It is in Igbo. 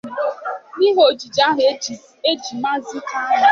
n'ihi ojiji ahụ e ji Maazị Kanụ.